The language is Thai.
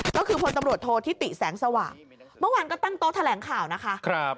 ก็คือพลตำรวจโทษธิติแสงสว่างเมื่อวานก็ตั้งโต๊ะแถลงข่าวนะคะ